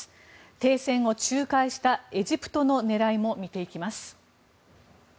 停戦を仲介したエジプトの狙いも見ていきます。